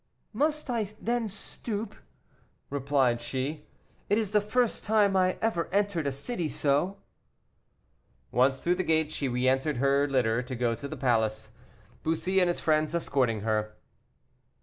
"Must I then stoop?" replied she; "it is the first time I ever entered a city so." Once through the gate she re entered her litter to go to the palace, Bussy and his friends escorting her.